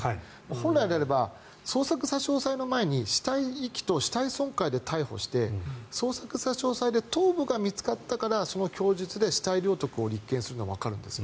本来であれば捜索差し押さえの前に死体遺棄と死体損壊で逮捕して捜索差し押さえで頭部が見つかったからその供述で死体領得を立件するのはわかるんです。